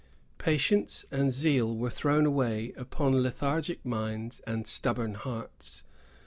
Patience and zeal were thrown away upon lethargic minds and stubborn hearts.